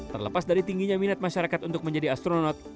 terlepas dari tingginya minat masyarakat untuk menjadi astronot